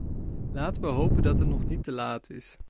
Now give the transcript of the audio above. Laten we hopen dat het nog niet te laat is.